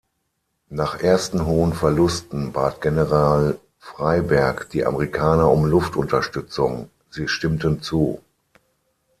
Nach ersten hohen Verlusten bat General Freyberg die Amerikaner um Luftunterstützung; sie stimmten zu.